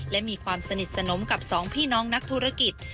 และมีความสนิทสนมกับสองพี่น้องนักธุรกิจ